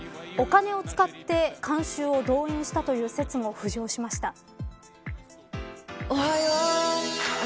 お金を使って観衆を動員したという説も浮上しました。